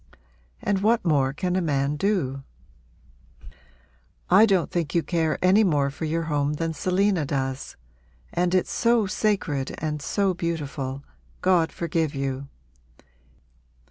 and what more can a man do?' 'I don't think you care any more for your home than Selina does. And it's so sacred and so beautiful, God forgive you!